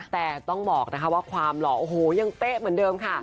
แต่ต้องบอกนะคะว่าความหล่อโอ้โหยังเป๊ะเหมือนเดิมค่ะ